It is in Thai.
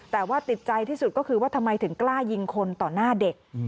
แต่ว่าติดใจที่สุดก็คือว่าทำไมถึงกล้ายิงคนต่อหน้าเด็ก